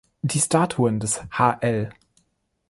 Die Statuen des Hl.